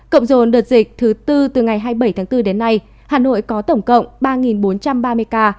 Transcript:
cộng dồn đợt dịch thứ tư từ ngày hai mươi bảy tháng bốn đến nay hà nội có tổng cộng ba bốn trăm ba mươi ca